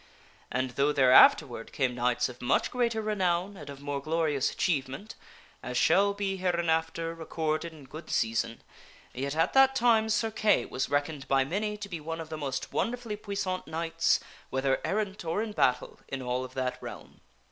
And though there afterward came knights of much greater renown and of more glorious achievement (as shall be hereinafter recorded in good season), yet at that time Sir Kay was reckoned by many to be one of the most wonder fully puissant knights (whether errant or in battle) in all of that realm.